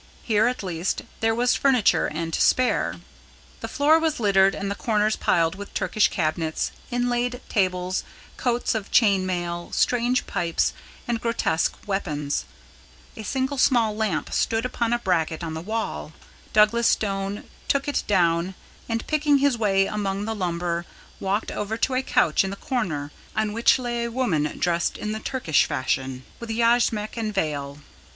Here, at least, there was furniture and to spare. The floor was littered and the corners piled with Turkish cabinets, inlaid tables, coats of chain mail, strange pipes, and grotesque weapons. A single small lamp stood upon a bracket on the wall. Douglas Stone took it down, and picking his way among the lumber, walked over to a couch in the corner, on which lay a woman dressed in the Turkish fashion, with yashmak and veil.